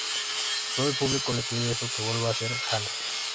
Todo el público le pide eso, que vuelva a ser Hannah.